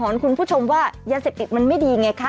คุณผู้ชมว่ายาเสพติดมันไม่ดีไงคะ